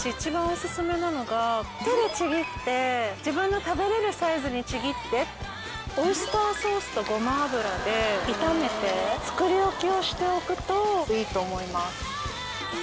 手でちぎって自分の食べられるサイズにちぎってオイスターソースとごま油で炒めて作り置きをしておくといいと思います。